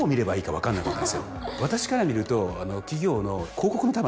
私から見ると企業の。